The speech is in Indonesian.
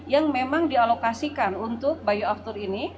yang memang dialokasikan untuk bioaftur ini